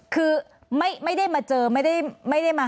คือไม่ได้มาเจอไม่ได้มา